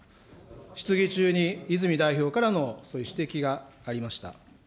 質疑中に泉代表からの、そういう指摘がありました。